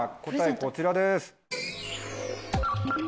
こちらです。